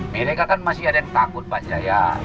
mereka kan masih ada yang takut pak jaya